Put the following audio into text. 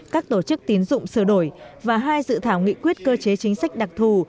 các tổ chức tín dụng sửa đổi và hai dự thảo nghị quyết cơ chế chính sách đặc thù